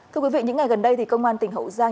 thưa quý vị những ngày gần đây thì công an tỉnh hậu giang